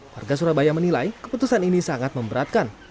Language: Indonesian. warga surabaya menilai keputusan ini sangat memberatkan